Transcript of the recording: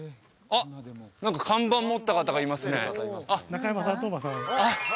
あっ何か看板持った方がいますね中山さん